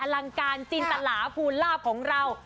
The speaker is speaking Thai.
ลังการจินตลาภูลาภของเรา